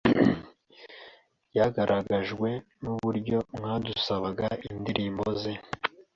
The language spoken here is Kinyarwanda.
byagaragajwe n’uburyo mwadusabaga indirimbo ze